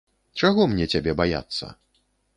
Чаго мне цябе баяцца?